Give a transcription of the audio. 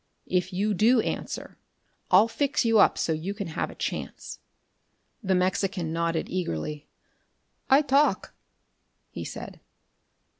If you do answer, I'll fix you up so you can have a chance." The Mexican nodded eagerly. "I talk," he said.